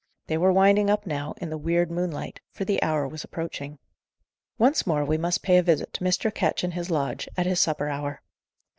They were winding up now, in the weird moonlight, for the hour was approaching. Once more we must pay a visit to Mr. Ketch in his lodge, at his supper hour.